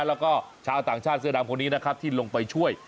แล้วก็ชาวต่างชาติเสื้อดำคนนี้นะครับที่ลงไปช่วย